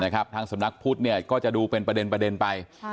ทางสำนักพุทธก็จะดูเป็นประเด็นไป